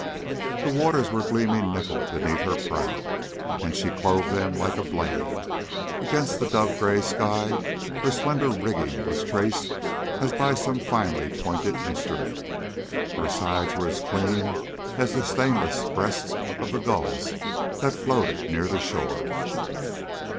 The waters were gleaming nickel beneath her prow, and she clove them like a blade; against the dove gray sky her slender rigging was traced as by some finely pointed instrument; her sides were as clean as the stainless breasts of the gulls that floated near the shore.